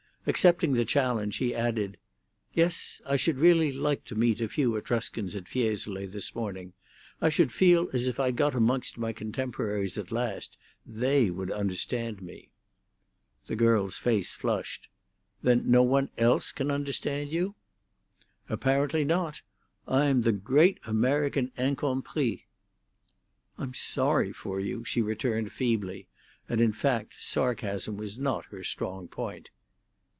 Accepting the challenge, he added: "Yes, I should really like to meet a few Etruscans in Fiesole this morning. I should feel as if I'd got amongst my contemporaries at last; they would understand me." The girl's face flushed. "Then no one else can understand you?" "Apparently not. I am the great American incompris." "I'm sorry for you," she returned feebly; and, in fact, sarcasm was not her strong point.